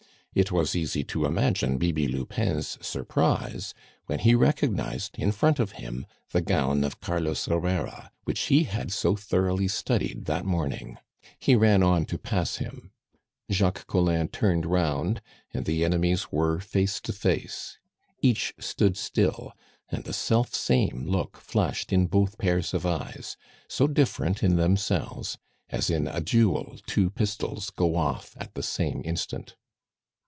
It was easy to imagine Bibi Lupin's surprise when he recognized, in front of him, the gown of Carlos Herrera, which he had so thoroughly studied that morning; he ran on to pass him. Jacques Collin turned round, and the enemies were face to face. Each stood still, and the self same look flashed in both pairs of eyes, so different in themselves, as in a duel two pistols go off at the same instant.